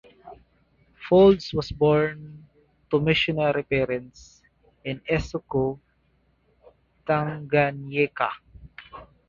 Faulds was born to missionary parents in Isoko, Tanganyika.